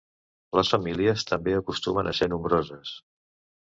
Les famílies també acostumen a ser nombroses.